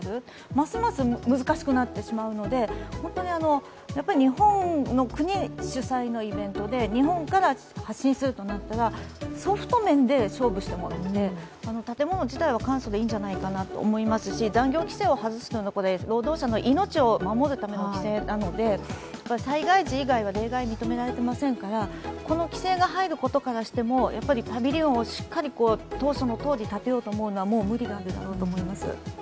ますます難しくなってしまうので日本の国主催のイベントで日本から発信するとなったらソフト面で勝負してもらって建物自体は簡素でいいと思いますし残業規制を外すというのも、労働者の命を守る規制なので災害時以外は例外を認められてませんからこの規制が入ることからしてもパビリオンを当初のとおり建てるのはもう無理なんだと思います。